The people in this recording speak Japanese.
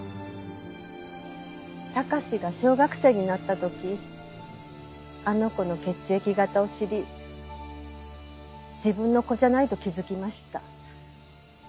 貴史が小学生になった時あの子の血液型を知り自分の子じゃないと気づきました。